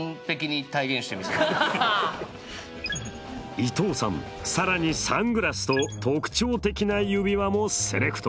伊藤さん更にサングラスと特徴的な指輪もセレクト。